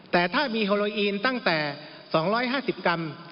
แต่ถ้ามีโฮโลอีนตั้งแต่๒๕๐กรัม